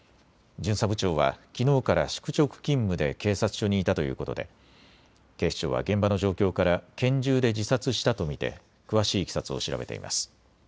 巡査部長はきのうから宿直勤務で警察署にいたということで警視庁は現場の状況から拳銃で自殺したと見て詳しいいきさつを調べています。